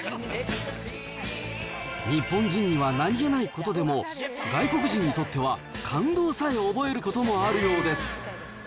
日本人には何気ないことでも、外国人にとっては感動さえ覚えることもあるようです。